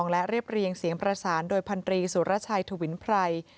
ขอเพียงจริงใจ